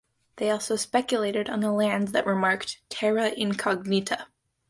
They also speculated on the lands that were marked "terra incognita".